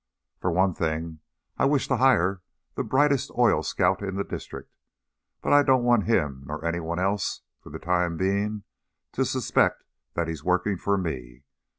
"For one thing, I wish to hire the brightest oil scout in the district, but I don't want him, nor anyone else, for the time being, to suspect that he's working for me.